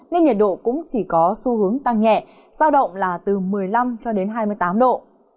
nên nhiệt độ cũng chỉ có xu hướng tăng nhẹ giao động là từ một mươi năm cho đến hai mươi tám độ